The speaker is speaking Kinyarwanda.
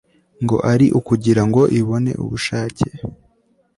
ngo ari ukugira ngo ibone ubushake